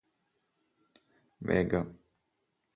വേഗം